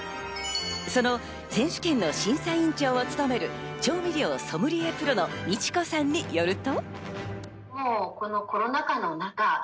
その選手権の審査委員長を務める調味料ソムリエプロのＭＩＣＨＩＫＯさんによると。